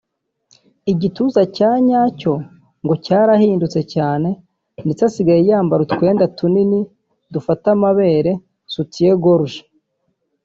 igituza cya nyacyo ngo cyarahindutse cyane ndetse asigaye yambara utwenda tunini dufata amabere (Soutien-gorge)